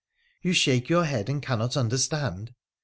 You shake your head, and cannot understand